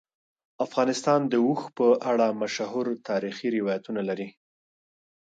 افغانستان د اوښ په اړه مشهور تاریخی روایتونه لري.